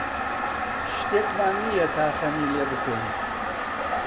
شتێکمان نییە تا خەمی لێ بخۆین.